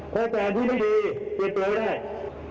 ถ้าใจจานที่ไม่ดีเปลี่ยนตัวได้